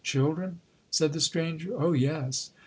—children?' said the stranger; 'Oh yes!